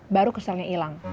baru keselnya ilang